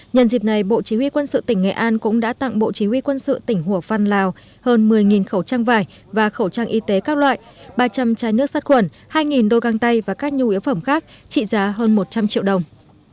nhân dịp này bộ chỉ huy quân sự tỉnh nghệ an cũng đã tặng bộ chí huy quân sự tỉnh hùa phan lào hơn một mươi khẩu trang vải và khẩu trang y tế các loại ba trăm linh chai nước sát khuẩn hai đô găng tay và các nhu yếu phẩm khác trị giá hơn một trăm linh triệu đồng